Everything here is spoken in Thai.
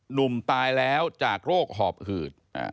หนุ่มตายแล้วจากโรคหอบหืด